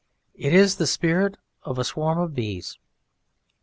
It is the spirit of a swarm of bees.